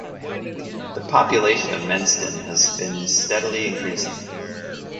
The population of Menston has been steadily increasing.